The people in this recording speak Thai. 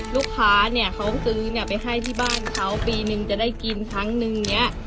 ลูกค้าเนี่ยเขาซื้อเนี่ยไปให้ที่บ้านเขาปีนึงจะได้กินครั้งนึงเนี่ย